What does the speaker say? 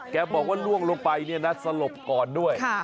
แกบอกว่าล่วงลงไปเนี่ยนะสลบก่อนด้วย